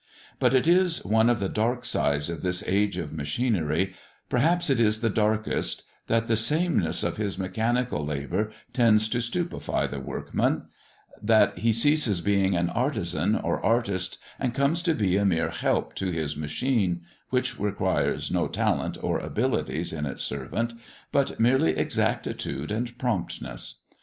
But it is one of the dark sides of this age of machinery, perhaps it is the darkest, that the sameness of his mechanical labour tends to stupify the workman; that he ceases being an artizan or artist, and comes to be a mere help to his machine, which requires no talents or abilities in its servant, but merely exactitude and promptness.